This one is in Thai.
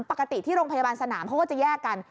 ปกติที่โรงพยาบาลสนามเขาก็จะแยกกัน